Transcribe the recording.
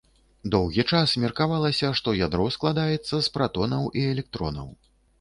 Доўгі час меркавалася, што ядро складаецца з пратонаў і электронаў.